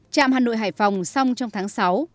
trạm hà nội hải phòng xong trong tháng sáu